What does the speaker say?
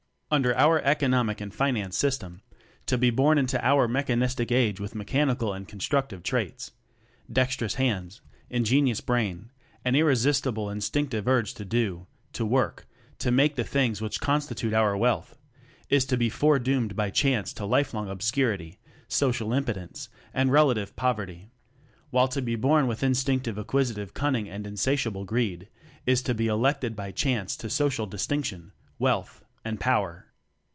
Under our "economic and finance system" to be born into our Mechan istic Age with mechanical and con structive traits dextrous hands, inge nious brain, and irresistible instinctive urge to do, to work, to make the things which constitute our "wealth" is to be fore doomed by "chance" to lifelong obscurity, social impotence, and relative poverty; while to be born with instinctive acquisitive cunning and insatiable greed, is to be elected by "chance" to social distinction, wealth and power.